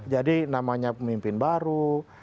jadi namanya pemimpin baru